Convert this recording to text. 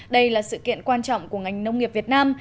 đây là sự kiện quan trọng của ngành nông nghiệp việt nam